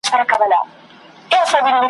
په لږ وخت کي سوې بد بویه زرغونې سوې `